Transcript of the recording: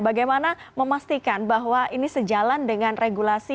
bagaimana memastikan bahwa ini sejalan dengan regulasi